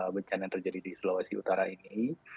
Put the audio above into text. bencana yang terjadi di sulawesi utara ini